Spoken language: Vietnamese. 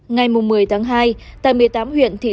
ngày một mươi hai tại một mươi tám huyện thịnh